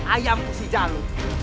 ayam si jalur